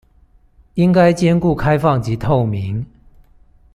應該兼顧開放及透明